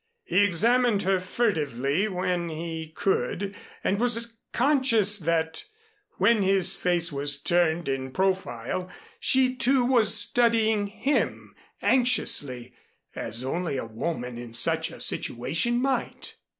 He examined her furtively when he could and was conscious that when his face was turned in profile, she, too, was studying him anxiously, as only a woman in such a situation might.